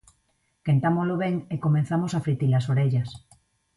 Quentámolo ben e comezamos a fritir as orellas.